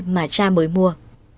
mà cha mới mua